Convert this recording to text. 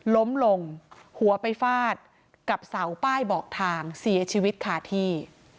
ล้มลงหัวไปฟาดกับเสาป้ายบอกทางเสียชีวิตคาที่